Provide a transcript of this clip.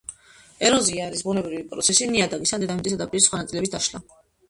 ეროზია არის ბუნებრივი პროცესი, ნიადაგის ან დედამიწის ზედაპირის სხვა ნაწილების დაშლა